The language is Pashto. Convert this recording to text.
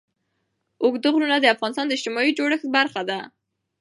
اوږده غرونه د افغانستان د اجتماعي جوړښت برخه ده.